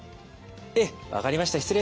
ええ分かりました。